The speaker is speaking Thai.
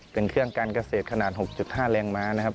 เป็นเครื่องการเกษตรขนาด๖๕แรงม้านะครับ